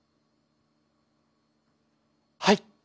はい。